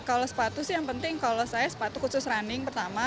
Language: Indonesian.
kalau sepatu sih yang penting kalau saya sepatu khusus running pertama